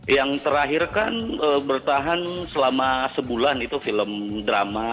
yang terakhir kan bertahan selama sebulan itu film drama